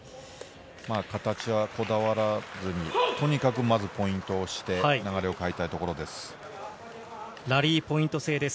形はこだわらずに、とにかくまずはポイントをして、流れを変えたいところです。